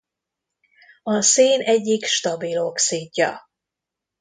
A szén egyik stabil oxidja.